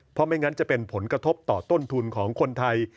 เพราะไม่งั้นจะเป็นผลกระทบต่อต้นทุนของคนไทย